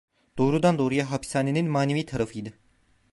Doğrudan doğruya hapishanenin manevi tarafıydı.